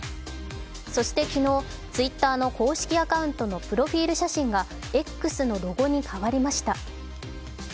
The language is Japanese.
そして昨日、Ｔｗｉｔｔｅｒの公式アカウントのプロフィール写真がＸのロゴに変わりました。